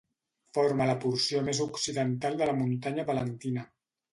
Forma la porció més occidental de la Muntanya Palentina.